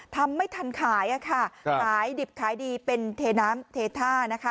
ทำไม่ทันขายอะค่ะขายดิบขายดีเป็นเทน้ำเทท่านะคะ